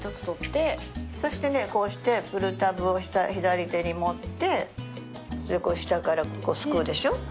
そしてねこうしてプルタブを左手に持って下からこうすくうでしょ。